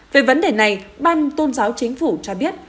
về vấn đề này ban tôn giáo chính phủ cho biết